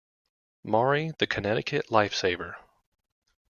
Maury the Connecticut life-saver.